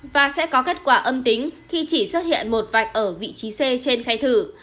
và sẽ có kết quả âm tính khi chỉ xuất hiện một vạch ở vị trí c trên khai thử